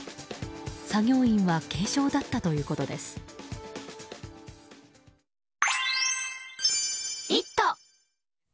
作業員は軽傷だったということです。